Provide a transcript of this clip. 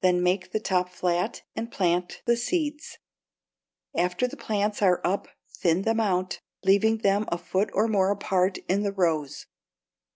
Then make the top flat and plant the seeds. After the plants are up thin them out, leaving them a foot or more apart in the rows.